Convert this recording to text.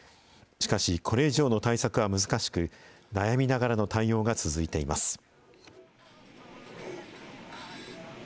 しかしこれ以上の対策は難しく、悩みながらの対応が続いています。